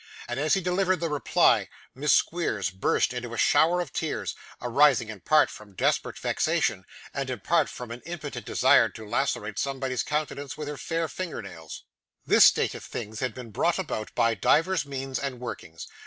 And as he delivered the reply, Miss Squeers burst into a shower of tears; arising in part from desperate vexation, and in part from an impotent desire to lacerate somebody's countenance with her fair finger nails. This state of things had been brought about by divers means and workings.